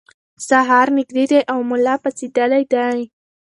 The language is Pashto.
سهار نږدې دی او ملا پاڅېدلی دی.